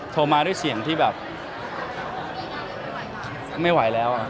โทรมาด้วยเสียงที่แบบไม่ไหวแล้ว